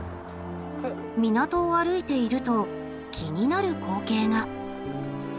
港を歩いていると気になる光景が。